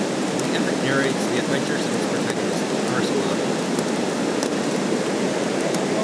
The epic narrates the adventures of its protagonist, Arsalan.